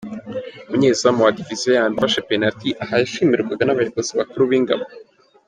Umunyezamu wa Diviziyo ya mbere wafashe Penaliti, aha yashimirwaga n’abayobozi bakuru b’ingabo.